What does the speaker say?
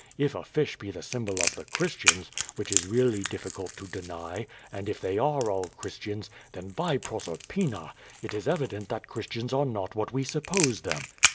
If a fish be the symbol of the Christians, which is really diffi cult to deny, and if they are all Christians, then, by Proser pina! it is evident that Christians are not what we suppose them."